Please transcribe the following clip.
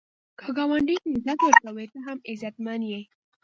که ګاونډي ته عزت ورکړې، ته هم عزتمن یې